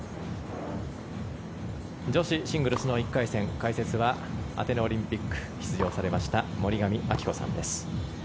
女子シングルスの１回戦解説はアテネオリンピック出場されました森上亜希子さんです。